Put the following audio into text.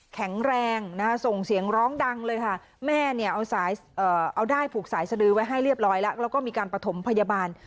แข็งแรงนะคะส่งเสียงร้องดังเลยค่ะแม่เนี่ยเอาด้ายผูกสายสดือไว้ให้เรียบร้อยแล้วแล้วก็มีการประถมพยาบาล